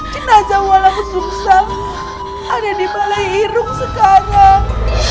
kenajah walang sungsang ada di malaiirung sekarang